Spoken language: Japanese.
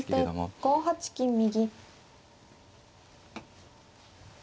先手５八金右。